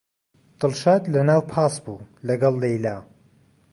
دڵشاد لەناو پاس بوو لەگەڵ لەیلا.